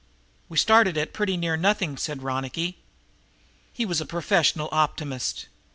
"We started at pretty near nothing," said Ronicky. He was a professional optimist.